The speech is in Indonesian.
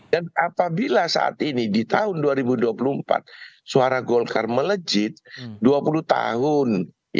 dan apabila saat ini di tahun dua ribu dua puluh empat suara golkar melejit dua puluh tahun